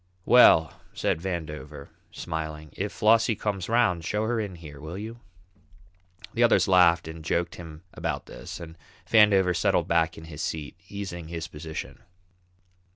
"Well," said Vandover, smiling, "if Flossie comes 'round show her in here, will you?" The others laughed, and joked him about this, and Vandover settled back in his seat, easing his position.